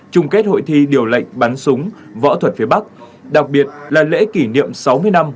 trung kết hội thi điều lệnh bắn súng võ thuật phía bắc đặc biệt là lễ kỷ niệm sáu mươi năm